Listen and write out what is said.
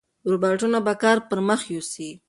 روباټونه به کار پرمخ یوسي.